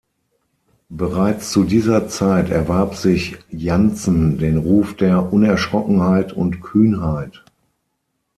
Bereits zu dieser Zeit erwarb sich Jantzen den Ruf der Unerschrockenheit und Kühnheit.